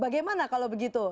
bagaimana kalau begitu